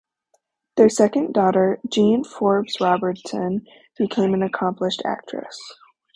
Their second daughter Jean Forbes-Robertson became an accomplished actress.